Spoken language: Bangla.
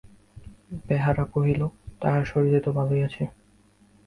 বেহারা কহিল, তাঁহার শরীর তো ভালোই আছে।